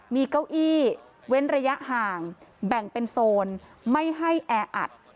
มีเก้าอี้เว้นระยะห่างแบ่งเป็นโซนไม่ให้แออัด